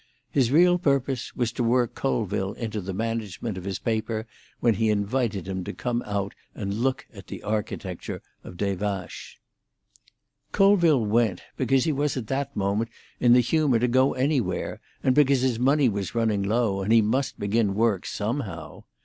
His real purpose was to work Colville into the management of his paper when he invited him to come out and look at the architecture of Des Vaches. Colville went, because he was at that moment in the humour to go anywhere, and because his money was running low, and he must begin work somehow.